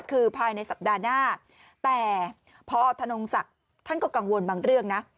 คือภายในสัปดาห์หน้าแต่พอธนงศักดิ์ท่านก็กังวลบางเรื่องนะ